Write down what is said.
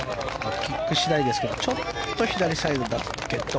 キック次第ですけどちょっと左サイドだけど。